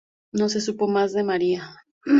No se supo más de María.